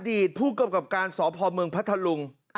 อดีตผู้ประกอบการสอบภอมเมืองพัทธรุง